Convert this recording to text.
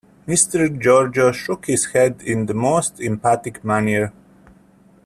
Mr. George shook his head in the most emphatic manner.